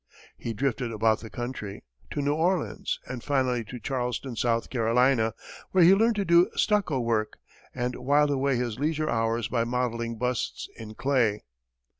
He drifted about the country; to New Orleans, and finally to Charleston, South Carolina, where he learned to do stucco work, and whiled away his leisure hours by modelling busts in clay.